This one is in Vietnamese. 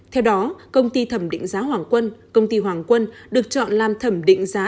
theo đó công ty thẩm định giá hoàng quân công ty hoàng quân được chọn làm thẩm định giá